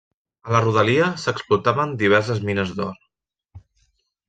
A la rodalia s'explotaven diverses mines d'or.